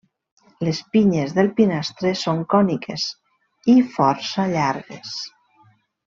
Les pinyes del pinastre són còniques i força llargues.